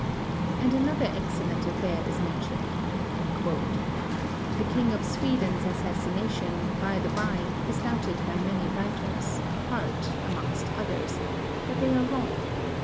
And another excellent affair is mentioned: "The King of Sweden's assassination, by the by, is doubted by many writers, Harte amongst others; but they are wrong.